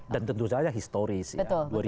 dan tentu saja historis ya